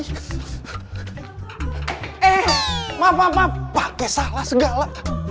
eh ma ma ma pakai salah segala